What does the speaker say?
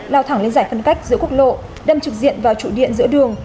lao thẳng lên giải phân cách giữa quốc lộ đâm trực diện vào trụ điện giữa đường